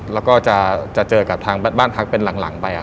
แล้วก็จะเจอกับทางบ้านพักเป็นหลังไป